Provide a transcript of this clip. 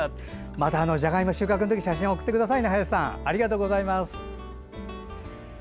じゃがいもの収穫のときに写真を送ってください。